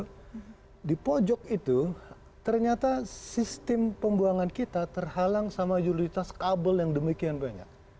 dan satu hal yang sangat agak menyesatkan itu di pojok itu ternyata sistem pembuangan kita terhalang sama utilitas kabel yang demikian banyak